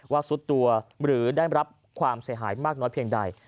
ซุดตัวหรือได้รับความเสียหายมากน้อยเพียงใด